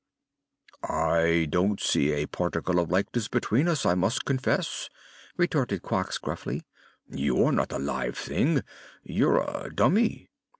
"I don't see a particle of likeness between us, I must confess," retorted Quox, gruffly. "You are not a live thing; you're a dummy."